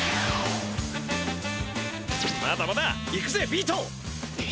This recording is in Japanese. まだまだいくぜビート！